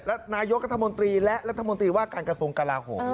ระสนายกกระทรมนตรีและรัฐมนตรีว่าการกระทรมกระลาโหม